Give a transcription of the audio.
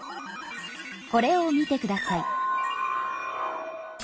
これを見てください。